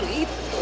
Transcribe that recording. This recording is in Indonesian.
masak apa ya itu